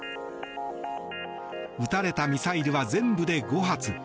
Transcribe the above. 撃たれたミサイルは全部で５発。